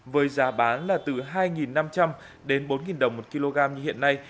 với giá bán là từ hai năm trăm linh đến bốn đồng một kg như hiện nay